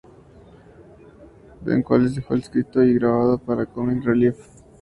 Bean", el cual fue escrito y grabado para Comic Relief.